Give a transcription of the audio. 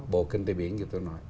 bộ kinh tế biển như tôi nói